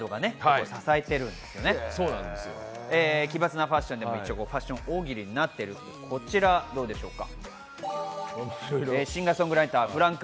奇抜なファッション、ファッション大喜利になっているということで、こちらどうでしょうか？